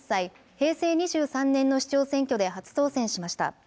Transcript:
平成２３年の市長選挙で初当選しました。